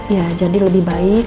ya jadi lebih baik